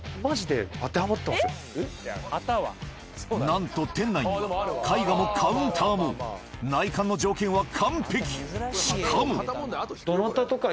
なんと店内には絵画もカウンターも内観の条件は完璧しかもどなたとか。